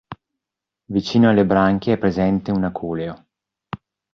Vicino alle branchie è presente un aculeo.